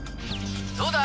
どうだ？